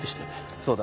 そうだ。